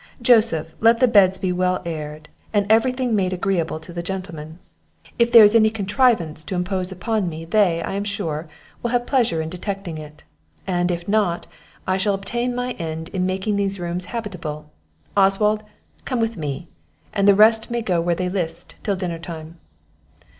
Joseph, let the beds be well aired, and every thing made agreeable to the gentlemen; If there is any contrivance to impose upon me, they, I am sure, will have pleasure in detecting it; and, if not, I shall obtain my end in making these rooms habitable. Oswald, come with me; and the rest may go where they list till dinner time."